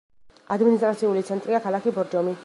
ადმინისტრაციული ცენტრია ქალაქი ბორჯომი.